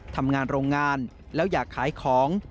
ทำงานโรงงานแล้วอยากขายของ